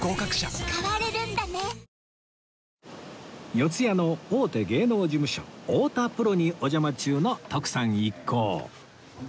四谷の大手芸能事務所太田プロにお邪魔中の徳さん一行